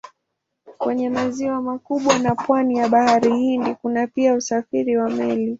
Kwenye maziwa makubwa na pwani ya Bahari Hindi kuna pia usafiri wa meli.